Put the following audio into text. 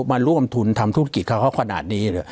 มาร่วมทุนทำธุรกิจกับเขาขนาดนี้